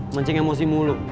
mencing emosi mulu